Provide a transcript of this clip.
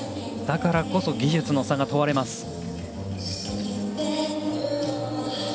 だからこそ技術の差が問われます。